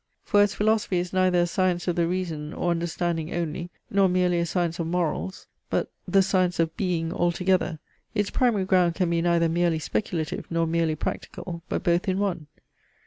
For as philosophy is neither a science of the reason or understanding only, nor merely a science of morals, but the science of BEING altogether, its primary ground can be neither merely speculative nor merely practical, but both in one.